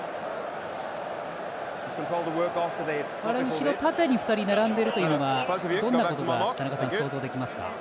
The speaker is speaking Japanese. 後ろ縦に２人並んでるというのはどんなことが想像できますか？